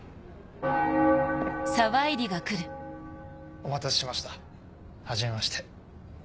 お待たせしましたはじめまして。